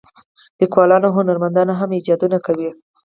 لیکوالان او هنرمندان هم ایجادونه کوي.